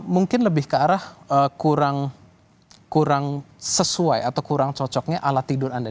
mungkin lebih ke arah kurang sesuai atau kurang cocoknya alat tidur anda